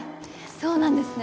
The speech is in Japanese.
そうなんですね